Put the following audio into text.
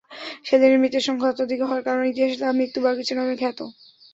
সেদিনের মৃতের সংখ্যা অত্যাধিক হওয়ার কারণে ইতিহাসে তা মৃত্যু-বাগিচা নামে খ্যাত।